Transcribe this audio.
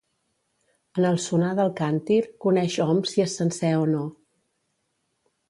En el sonar del càntir coneix hom si és sencer o no.